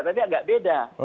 tapi agak beda